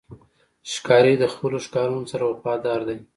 ښکاري د خپلو ښکارونو سره وفادار دی.